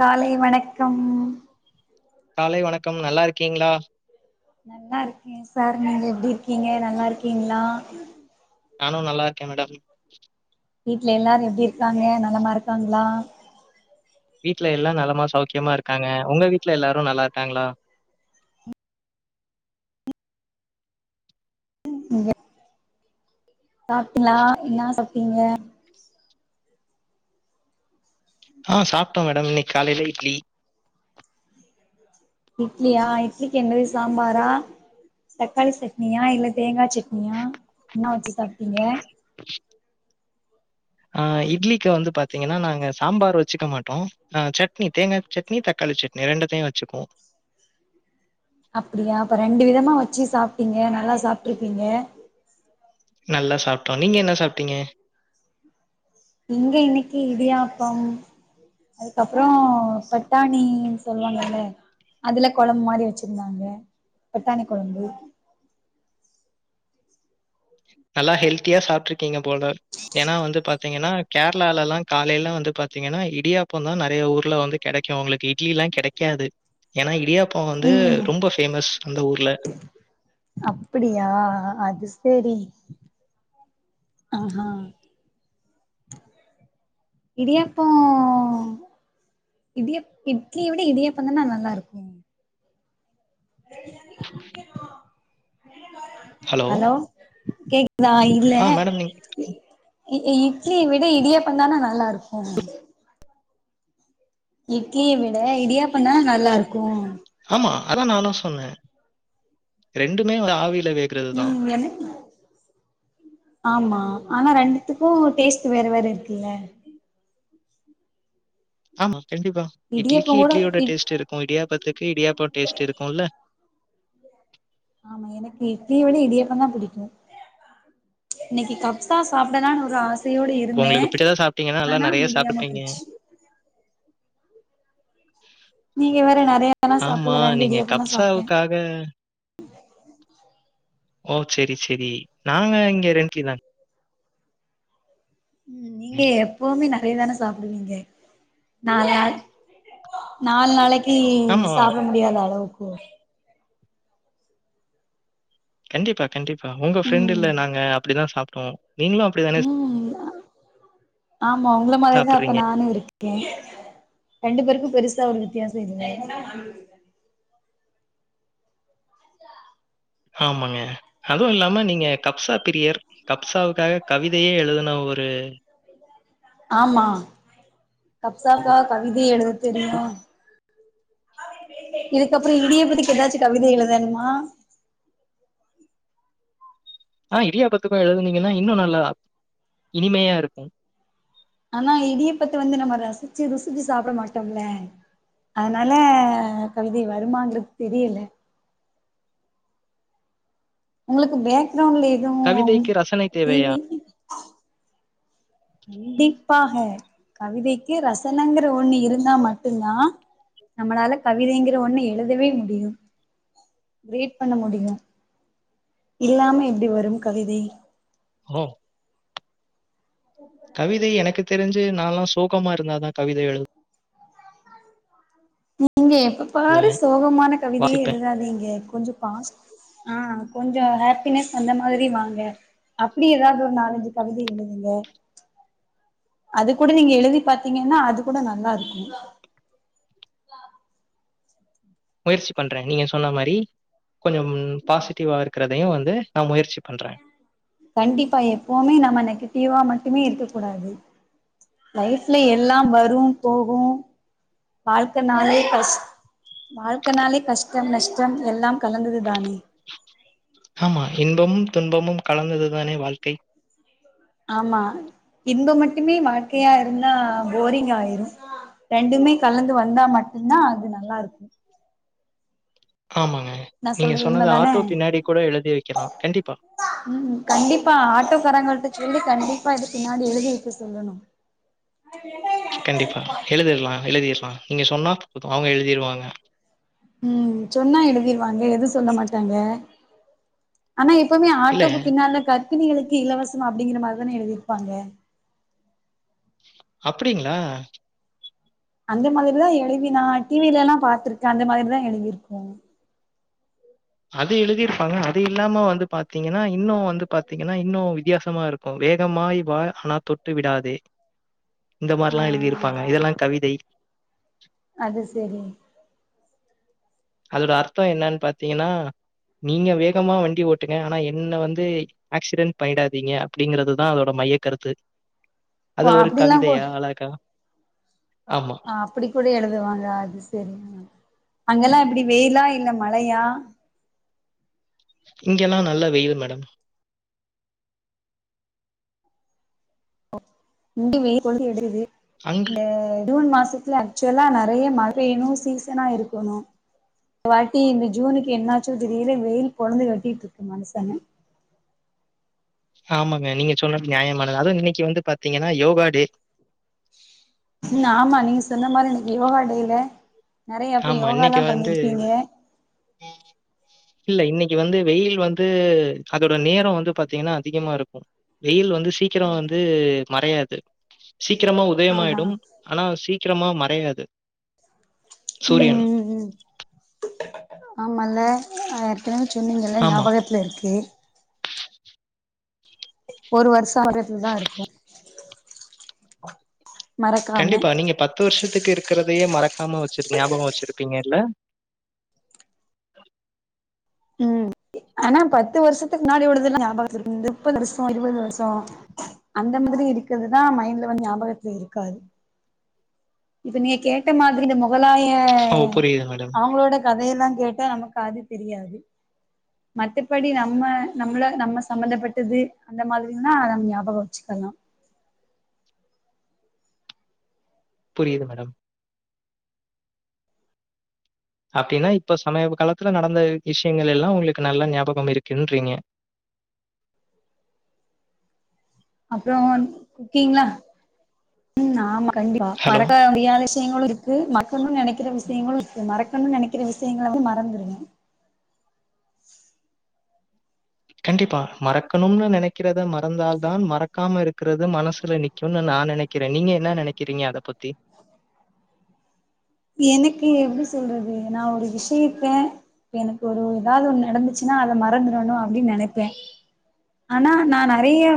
காலை வணக்கம் காலை வணக்கம் நல்லாருக்கீங்ளா? நல்லாருக்கே சார் நீங்க எப்டி இருக்கீங்க நல்லாருக்கீங்ளா? நானு நல்லாருக்கே மேடம் வீட்ல எல்லாரு எப்டி இருக்காங்க நலமா இருக்காங்ளா? வீட்ல எல்லா நலமா சௌக்கியமா இருக்காங்க உங்க வீட்ல எல்லாரு நல்லாருக்காங்ளா? இங்க சாப்டீங்ளா என்னா சாப்டீங்க? ஆ சாப்டோ மேடம் இன்னைக் காலைல இட்லி இட்லியா இட்லிக்கு என்னது சாம்பாரா தக்காளி சட்னியா இல்ல தேங்கா சட்னியா என்ன வச்சு சாப்டீங்க? ஆ இட்லிக்கு வந்து பாத்தீங்கன்னா நாங்க சாம்பார் வச்சுக்க மாட்டோ ஆ சட்னி தேங்கா சட்னி தக்காளி சட்னி ரெண்டுத்தையு வச்சுப்போ அப்டியா அப்ப ரெண்டு விதமா வச்சு சாப்டீங்க நல்லா சாப்ட்ருக்கீங்க நல்ல சாப்டோ நீங்க என்ன சாப்டீங்க? இங்க இன்னக்கி இடியாப்பம் அதுக்கப்றோ பட்டாணீன் சொல்வாங்கல்ல அதுல கொழம்பு மாரி வச்சிருந்தாங்க பட்டாணி கொழம்பு நல்லா ஹெல்த்தியா சாப்ட்ரு க்கீங்க போல ஏன்னா வந்து பத் த்தீங்கனா கேரளல்லா காலேல வந்து பாத்தீங்கனா இடியாப்ப தா நெறய ஊர்ல வந்து கெடைக்கு உங்களுக்கு இட்லி எல்லா கெடக்காது ஏன்னா இடியாப் ப்ப வந்து ம் ரொம்ப ஃபேமஸ் இந்த ஊர்ல அப்படியா அது சேரி ஆஹா இடியாப்போ இடிய இட்லிய விட இடியப்ப தானா நல்லா இருக்கு [inaudible] ஹலோ கேக் தா இல்ல ஆ மேடம் நீங்க இ இட்லிய விட இடியாப்போ தான நல்லா இருக்கு இட்லிய விட இடியாப்போ தான நல்லா இருக்கு ஆமா அதா நானு சொன்னே ரெண்டுமே ஒரு ஆவிள உம் எனக்கு ஆமா ஆனா ரெண்டுத்துக்கு டேஸ்ட்டு வேற வேற இருக்குல்ல ஆமா கண்டிப்பா இடியாப்போ இட்லிக்கு கூட இட்லியோட இட் டேஸ்ட்டு இருக்கு இடியாப்பத்துக்கு இடியாப்ப டேஸ்ட்டு இருக்குல்ல ஆமா எனக்கு இட்லிய விட இடியாப்போ தா பிடிக்கு இன்னைக்கு கப்ஷா தா சாப்டலான்னு ஒரு ஆச இப்ப ஒங்களுக்கு பிடுச்சதா சாப்ட்டீங்கன்னா நல்லா நெறய முடியாம சாப்ட்ருப்பீங்க போச்சு நீங்க வேற நெறயல்லா ஆமா, சாப்டல ரெண்டு நீங்க இடியப்போ தா சாப்ட்டே கப்சாவுக்காக ஓ செரி சரி நாங்க இங்க ரெண்டு இட்லி தாங்க உம் நீங்க எப்பவுமே நா அப்டியேதானே சாப்டுவீங்க நாலு நாளைக்கு நாலு நாளைக்கு இ ஆமா. சாப்ட முடியாத அளவுக்கு க்கு கண்டிப்பா கண்டிப்பா ஒங்க ஃப்ரெண்ட்டு ல நாங்க அப்டிதா சாப் ஆ உம் ஆமா ஒங்கள மாரிதா அப்ப சாப்பிடுறீங்க? நானு இருக்கே ரெண்டு பேருக்கு பெருசா எந்த ஒரு வித்தியாசோ இல்லங்க ஆமாங்க அதுவு இல்லாம நீங்க கப்சா பிரியர் கப்சாவுக்காக கவிதையே எழுதுன ஒரு ஆமா கப்சாகா கவிதை எழுத தெரியு இதுக்கப்புறோ இடியாப்பத்துக்கு ஏதாச்சு கவிதை எழுதன்மா ஆ இடியாபத்துக்கு எழுதுனீங்கன்னா இன்னு நல்லா இனிமையா இருக்கு ஆனா இடியப்பத்த வந்து நம்ம ரசிச்சி ருசிச்சி சாப்பிட மாட்டோம்ல்ல அதனால கவிதை வருமாங்ரது தெரியல உங்களுக்கு பேக் க்ரவுன்ட்ல எதுவு கவிதைக்கு ரசனை தேவையா? டிவி கண்டிப்பாக கவிதைக்கு ரசனங்கிற ஒன்னு இருந்தா மட்டுதா நம்மளால கவிதைங்கிற ஒன்னு எழுதவே முடியு ரீட் பண்ண முடியு இல்லாம எப்பிடி வரு கவிதை ஓஹ் கவிதை எனக்கு தெரிஞ்சி நால்லா சோகமா இருந்தாதா கவிதை எழுது இங்க எப்ப பாரு எழுதுவேன், சோகமான கவிதையே வாசிப்பேன். எழுதாதிங்க கொஞ்ச பாஸ் ஆ கொஞ்ச ஹாப்பினஸ் அந்த மாதிரி வாங்க அப்பிடி ஏதாது ஒரு நாலஞ்சி கவிதை எழுதுங்க அது கூட நீங்க எழுதிபாத்தீங்கன்னா அது கூட நல்லா இருக்கு முயற்சி பண்றே நீங்க சொன்ன மாரி கொஞ்சம் பாசிட்டீவா இருக்கிறதையு வந்து நா முயற்சி பண்றேன். கண்டிப்பா எப்பவுமே நம்ம நக்கு திவா மட்டுமே இருக்க கூடாது லைஃப்ல எல்லா வரு போகு வாழ்க்கனாவே கஷ் வாழ்க்கனாலே கஷ்டம் நஷ்டம் எல்லாம் கலந்ததுதானே ஆமா இன்பமும் துன்பமும் கலந்ததுதானே வாழ்க்கை ஆமா இன்பம் மட்டுமே வாழ்க்கையா இருந்தா போரிங் ஆயிரு ரெண்டுமே கலந்து வந்தா மட்டும்தா அது நல்லா இருக்கு ஆமாங்க நா நீங்க சொல்றது சொன்னத உண்மதான ஆட்டோ பின்னாடி கூட எழுதி வைக்கலா கண்டிப்பா ம் கண்டிப்பா ஆட்டோக்காரங்கள்ட்ட சொல்லி கண்டிப்பா இது பின்னாடி எழுதி வைக்க சொல்லனு கண்டிப்பா எழுதிரலா எழுதிர் நீங்க சொன்னா போது அவுங்க எழுதிருவாங்க ம் சொன்னா எழுதிருவாங்க எது சொல்ல மாட்டாங்க ஆனா எப்பமே இல்ல ஆட்டோக்கு பின்னால கற்பிணிகளுக் இ இலவசம் அப்பிடிங்கிற மாரிதான எழுதிருப்பாங்க அப்பிடிங்களா அந்த மாதிரிதா எழுவி நா டிவில எல்லா பாத்திருக்கே அந்த மாதிரிதா எழுதிருக்கோ அது எழுதியிருப்பாங்க அது இல்லாம வந்து பாத்தீங்கன்னா இன்னு வந்து பாத்தீங்கன்னா இன்னு வித்தியாசமா இருக்கு வேகமாய் வா ஆனா தொட்டு விடாதே இந்த ஆ மாரிலா எழுதியிருப்பாங்க இதெல்லா கவிதை அது செரி அதோட அர்த்தோ என்னன் பாத்தீங்கன்னா நீங்க வேகமா வண்டி ஓட்டுங்க ஆனா என்ன வந்து ஆக்சிடென்ட் பண்ணிடாதீங்க அப்பிடிங்கறதுதா அதோட மைய கருத்து ஓ அதா ஒரு அப்டிலா கவிதையா கொ அழகா ஆமா ஆ அப்படி கூட எழுதுவாங்க அது சரி அங்கெல்லா ப்படி வெயிலா இல்ல மழையா இங்கல்லா நல்லா வெயில் மேடம் உண்டு வெயில் கொளுத்தி எடுக்குது அங்க ஆ ஜூன் மாச ஆக்சுவலா நெறய மழ பெய்யனு சீசனா இருக்கணு இந்த வாட்டி இந்த ஜூனுக்கு என்னாச்சோ தெரியல்ல வெயில் பொழந்து கட்டிட்டு இருக்கு மனுஷன ஆமாங்க நீங்க சொன்னது நியாயமானது அதுவு இன்னைக்கு வந்து பாத்தீங்கனா யோகா டே ம் ஆமா நீங்க சொன்ன மாரி யோகா டே ல நெறயா இப்ப ஆமா யோகால்லா இன்னைக்கு வந்து பண்ணிருக்கீங்க இல்ல இன்னைக்கு வந்து வெயில் வந்து அதோட நேரோ வந்து பாத்தீங்கனா அதிகமா இருக்கு வெயில் வந்து சீக்கரோ வந்து மறயாது எ சீக்கிரமா ஆஹா உதயமாயிடும் ஆனா சீ சீக்கிரமா மறயாது உம்ம் ஆமல்லா சொன்னீங்கல்ல ஆமா ஞாபகத்துல இருக்கு ஒரு வருஷோ ஆறதுலதா இருக்கு மறக்காம கண்டிப்பா நீங்க பத்து வருஷத்துக்கு இருக்குறது அதயே மறக்காம வச்சு ஞாபகமா வச்சிருப்பீங்கள்ள உம் ஆனா பத்து வருஷத்துக்கு முன்னாடி உள்ளது எல்லா ஞாபகத்துல இரு முப்பது வருஷோ இருபது வருஷோ அந்த மாரில்லா இருக்குறதுதா மைண்ட்ல வந்து ஞாபகத்ல இருக்காது இப்ப நீங்க கேட்ட மாரி இந்த மொகலாய ஓ! புரியுது மேடம். ஆ அவுங்களோட கதையெல்லா கேட்டா நமக்கு அது தெரியாது மத்தபடி நம்ம நம்மள நம்ம சம்மந்தப்பட்டது அந்த மாதிரில்லா நம்ம ஞாபகம் வச்சுக்கலா புரியுது மேடம் அப்டினா இப்ப சமீப காலத்ல நடந்த விஷயங்கள் எல்லா உங்களுக்கு நல்லா ஞாபகம் இருக்குன்றீங்க அப்றோ ஓகேங்ளா உம் ஆமா கண்டிப்பா ஹலோ! மறக்க முடியாத விஷயோ விஷயங்களு இருக்கு மறக்கனு நெனக்குற விஷயங்களு இருக்கு மரக்கனு நெனக்கிற விஷயங்களு வந்து மறந்துருவே கண்டிப்பா மறக்கணும்னு நெனக்கிறத மறந்தால் தா மறக்காம இருக்குறது மனசுல நிக்குமுன்னு நா நெனக்குறே நீங்க என்னா நெனக்குறீங்க அத பத்தி எனக்கு எப்டி சொல்றது நா ஒரு விஷயத்த எனக்கு ஒரு ஏதாவது ஒன்னு நடந்துச்சுன்னா அத மறந்துறணு அப்டின்னு நெனப்பே ஆனா நா நெறய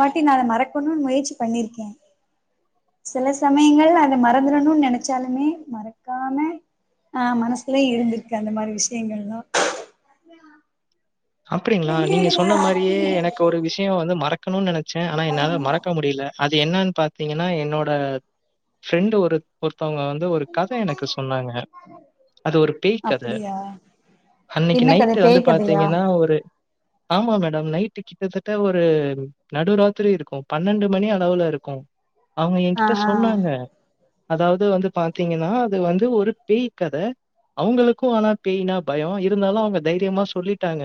வாட்டி நா அத மறக்கணுனு முயற்சி பண்ணிருக்கே சில சமயங்கள் அத மறந்துறணுன்னு நெனச்சாலுமே மறக்காம ஆ மனசுலயே இருந்துருக்கு அந்த மாதிரி விஷயங்கல்லா அப்டிங்களா நீங்க சொன்ன மாரியே எனக்கு ஒரு விஷய வந்து மறக்க மறக்கணுன்னு நெனச்சே ஆனா என்னால மறக்க முடியல அது என்னானு பாத்தீங்கன்னா என்னோட ஃப்ரெண்ட் ஒரு ஓர்த் அவங்க வந்து ஒரு கத எனக்கு சொன்னாங்க அது ஒரு பேய் கத அப்டியா அன்னைக்கு என்ன கத நைட்டு வந்து பேய் கதையா பாத்தீங்கன் நா ஒரு ஆமா மேடம் நைட்டு கிட்டத்தட்ட ஒரு நடுராத்திரி இருக்கு பன்னெண்டு மணி அளவுல இருக்கு அவங்க எ ஆ கிட்ட ஆ சொன்னாங்க அதாவது வந்து பாத்தீங்கன்னா அது வந்து ஒரு பேய் கத அவங்களுக்கு ஆனா பேய்னா பயோ இருந்தாலு அவங்க தைரியமா சொல்லிட் டாங்க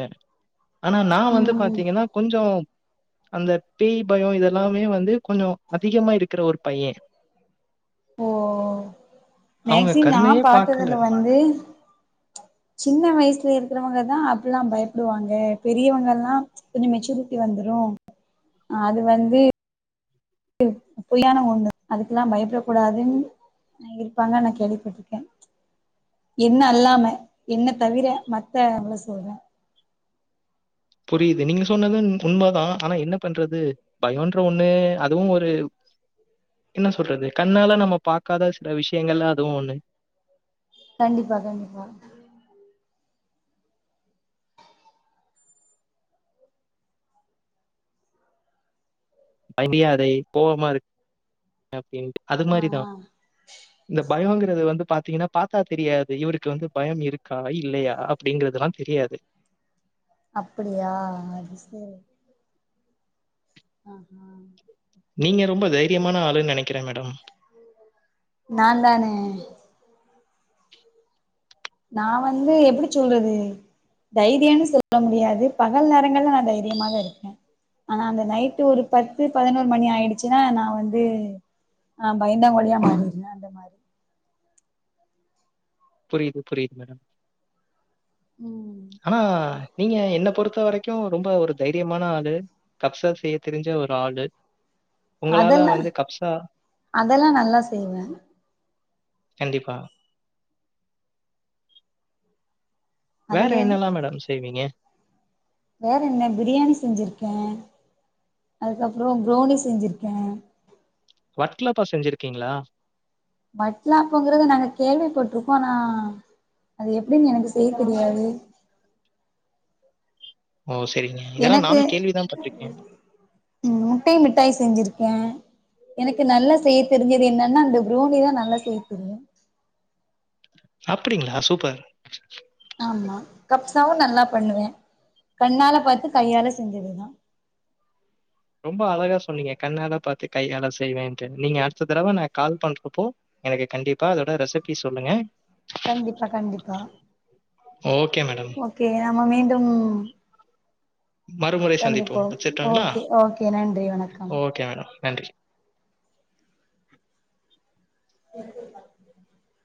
ஆனா நா வந்து ம் பாத்தீங்கன்னா கொஞ்சோ அந்த பேய் பயோ இதெல்லாமே வந்து கொஞ்ச அதிகமா இருக்கிற ஒரு பையே ஓ அவங்க மேக்சி நா கருணையே பார்க்கல. பார்த்ததுல வந்து சின்ன வயசுல இருக்கிறவங்கதா அத் எல்லாம் பயப்படுவாங்க பெரியவங்கல்லா கொஞ்ச மெச்சூரிட்டி வந்துடு அது வந்து பொய்யான ஒண்ணு அதுக்கெல்லா பயப்படக் கூடாதுன்னு இருப்பாங்க நா கேள்விப்பட்டு இருக்கே என்ன அல்லாம என்ன தவிர மத்த அவள சொல்றே புரியுது நீங்க சொன்னது உண்மதா ஆனா என்ன பண்றது பயொன்ற ஒண்ணு அதுவு ஒரு என்ன சொல்றது கண்ணால நம்ம பாக்காத சில விஷயங்கள்லாம் அதுவு ஒண்ணு கண்டிப்பா கண்டிப்பா மண்டியாதை போவமா இரு அப்படின்னு அது ஆ மாரி தா ஆ இந்த பயோங் வந்து பாத்தீங்கன்னா பாத்தா தெரியாது இவருக்கு வந்து பயம் இருக்கா இல்லையா அப்படிங்கறதுல்லா தெரியாது அப்படியா அது சரி ஆ ஆ நீங்க ரொம்ப தைரியமான ஆள் னுநெனக் நாந் தானே நா வந்து எப்டிச் சொல்றது தைரியம்ன்னு சொல்ல முடியாது பகல் நேரங்கள்ல நா தைரியமாதா இருக்கே ஆனா அந்த நைட்டு ஒரு பத்து பதினோரு மணி ஆயிடுச்சுன்னா நா வந்து ஆ பயந்தாங்கோழியா மாறிருதே அந்த மாதிரி புரியுது புரியுது மேடம் ம் அனா நீங்க என்ன பொறுத்த வரைக்கு ரொம்ப ஒரு தைரியமான ஆளு கப்சா செய்ய தெரிஞ்ச ஒரு ஆளு உங்களால அதெலா வந்து கப்ஸா அதெல்லா நல்லா செய்வே கண்டிப்பா வேற அதுல என்னெல்லா மேடம் செய்வீங்க வேற என்ன அதுக்கப்புறோ ப்ரொனி செஞ்சிருக்கே வட்லப்பா செஞ்சிருக்கீங்களா வட்லாப்போங்கறத நாங்க கேள்விப்பட்டிருக்கோ அனா அது எப்படின்னு எனக்கு செய்ய தெரியாது ஓ செரிங்க இதெல்லா நானு எனக்கு கேள்விதா பட்ருக்கே கென் எனக்கு நல்லா செய்ய தெரிஞ்சது என்னன்னா அந்த ப்ரொணி தா நல்லா செய்ய தெரியு அப்டிங்ளா சூப்பர் ஆமா கப்சாவு நல்லா பண்ணுவே கண்ணால பாத்து கையால செஞ்சுருவே ரொம்ப அழகா சொன்னீங்க கண்ணால பாத்து கையால செய்வேன்ட்டு நீங்க அடுத்த தடவ நா கால் பண்றப்போ எனக்கு கண்டிப்பா அதோட ரெசிபி சொல்லுங்க கண்டிப்பா கண்டிப்பா ஓகே மேடம் நம்மா மீண்டும் மறுமுறை சந்திப்போம் வச்சுரட்டுங்களா? ஓகே ஓகே நன்றி வணக்கம் ஓகே மேடம். நன்றி [inaudible]